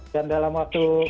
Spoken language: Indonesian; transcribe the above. dan dalam waktu